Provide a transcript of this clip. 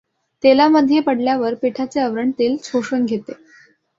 तेलामध्ये पडल्यावर पिठाचे आवरण तेल शोषून घेते.